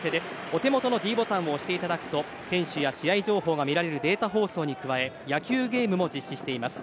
お手元のｄボタンを押していただくと選手や試合情報が見られるデータ放送に加え野球ゲームも実施しています。